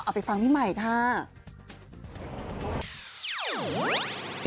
เอาไปฟังพี่หมายค่ะ